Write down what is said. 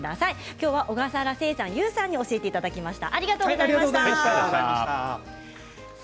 今日は小笠原誓さんと小笠原悠さんに教えていただきました。